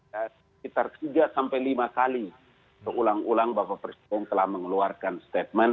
sekitar tiga sampai lima kali berulang ulang bapak presiden telah mengeluarkan statement